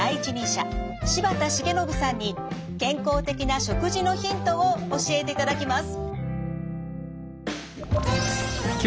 柴田重信さんに健康的な食事のヒントを教えていただきます。